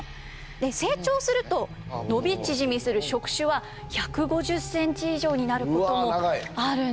成長すると伸び縮みする触手は１５０ｃｍ以上になることもあるんです。